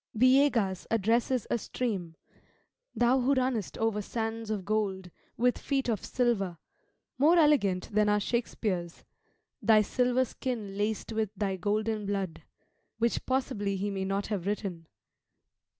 Villegas addresses a stream "Thou who runnest over sands of gold, with feet of silver," more elegant than our Shakspeare's "Thy silver skin laced with thy golden blood," which possibly he may not have written.